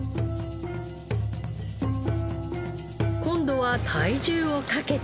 今度は体重をかけて。